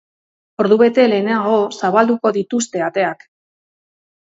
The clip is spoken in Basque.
Ordubete lehenago zabalduko dituzte ateak.